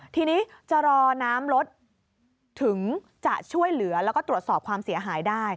ทีนี้จะรอน้ำรถถึงจะช่วยเหลือแล้วก็ตรวจสอบความเสียหายได้